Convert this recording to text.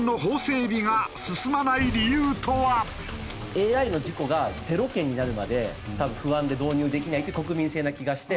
ＡＩの事故が０件になるまで多分不安で導入できないっていう国民性な気がして。